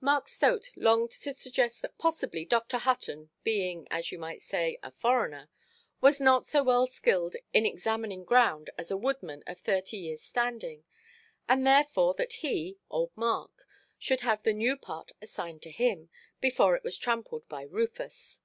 Mark Stote longed to suggest that possibly Dr. Hutton, being (as you might say) a foreigner, was not so well skilled in examining ground as a woodman of thirty years' standing; and therefore that he, old Mark, should have the new part assigned to him, before it was trampled by Rufus.